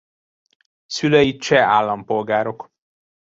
Szülei cseh állampolgárok.